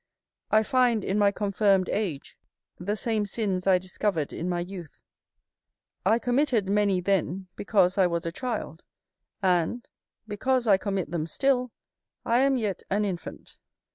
I find in my confirmed age the same sins I discovered in my youth; I committed many then because I was a child; and, because I commit them still, I am yet an infant.